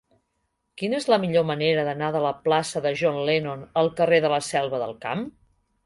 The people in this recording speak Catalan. Quina és la millor manera d'anar de la plaça de John Lennon al carrer de la Selva del Camp?